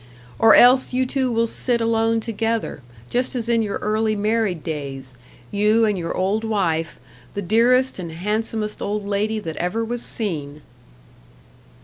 Or else you two will sit alone together, just as in your early married days you and your old wife the dearest and handsomest old lady that ever was seen."